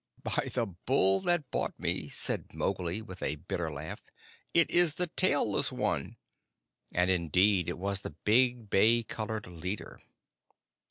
"By the Bull that bought me," said Mowgli, with a bitter laugh, "it is the tailless one!" And indeed it was the big bay colored leader.